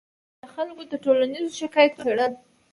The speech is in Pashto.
د خلکو د ټولیزو شکایتونو څېړل